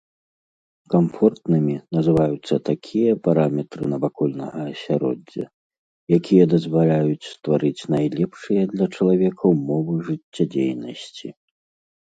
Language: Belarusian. Камфортнымі называюцца такія параметры навакольнага асяроддзя, якія дазваляюць стварыць найлепшыя для чалавека ўмовы жыццядзейнасці.